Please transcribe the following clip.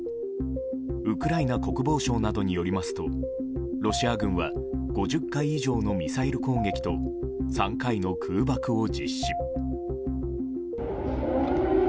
ウクライナ国防省などによりますとロシア軍は５０回以上のミサイル攻撃と３回の空爆を実施。